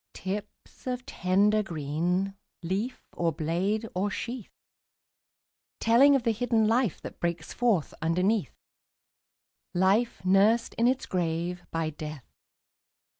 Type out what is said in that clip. Tips of tender green, Leaf, or blade, or sheath; Telling of the hidden life That breaks forth underneath, Life nursed in its grave by Death.